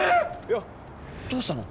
よっどうしたの？